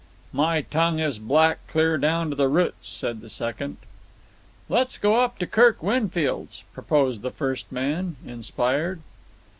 "My tongue is black clear down to the roots," said the second. "Let's go up to Kirk Winfield's," proposed the first man, inspired.